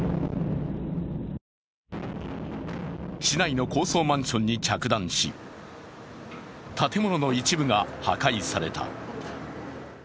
市内の高層マンションに着弾し、建物の一部が破壊された。